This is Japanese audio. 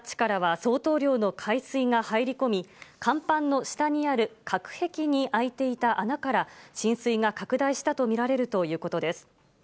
ハッチからは相当量の海水が入り込み、看板の下にある隔壁にあいていた穴から浸水が拡大したとみられるということです。